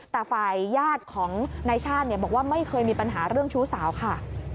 แต่ฝ่ายญาติของนายชาติบอกว่าไม่เคยมีปัญหาเรื่องชู้สาวค่ะ